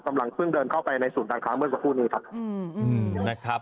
กำลังเพิ่งเดินเข้าไปในศูนย์การค้าเมื่อสักครู่นี้ครับนะครับ